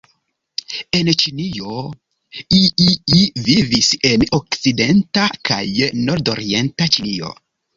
En Ĉinio iii vivis en okcidenta kaj nordorienta Ĉinio.